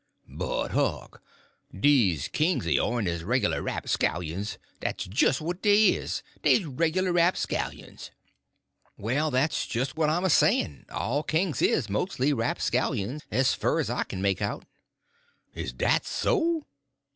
"But, Huck, dese kings o' ourn is reglar rapscallions; dat's jist what dey is; dey's reglar rapscallions." "Well, that's what I'm a saying; all kings is mostly rapscallions, as fur as I can make out." "Is dat so?"